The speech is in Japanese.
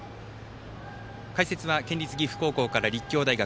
解説は県立岐阜高校から立教大学。